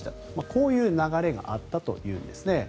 こういう流れがあったというんです。